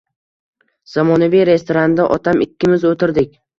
Zamonaviy restoranda otam ikkimiz o‘tirdik.